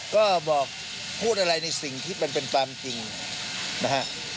ก็บอกพูดอะไรในสิ่งที่มันเป็นความจริงนะฮะ